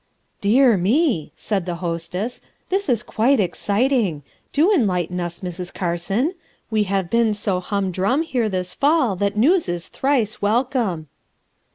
"Dear me!" said the hostess, "this is quite exciting. Do enlighten us, Mrs. Carson. We have been so humdrum here this fall that news is thrice welcome."